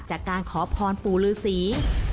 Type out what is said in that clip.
จากการขอพรปู่ฤษี